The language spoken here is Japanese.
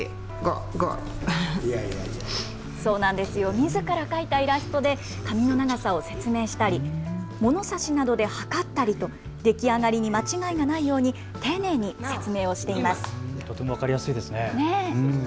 みずから描いたイラストで髪の長さを説明したり物差しなどで測ったりと出来上がりに間違いがないように丁寧に説明をしています。